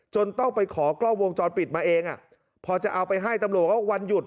ต้องไปขอกล้องวงจรปิดมาเองอ่ะพอจะเอาไปให้ตำรวจก็วันหยุด